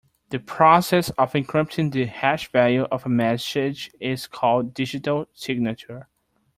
The process of encrypting the hash value of a message is called digital signature.